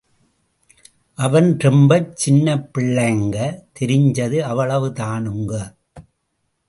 அவன் ரொம்ப சின்னப் பிள்ளைங்க, தெரிஞ்சது அவ்வளவுதானுங்க.